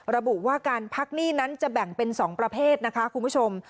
ระบุว่าการพักหนี้นั้นจะแบ่งเป็น๒ประเภทนะคะคุณผู้ชม